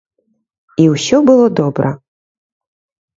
І ўсё было добра.